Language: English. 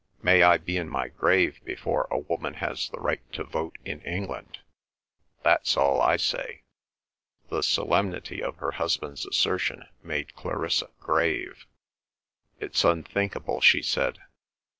may I be in my grave before a woman has the right to vote in England! That's all I say." The solemnity of her husband's assertion made Clarissa grave. "It's unthinkable," she said.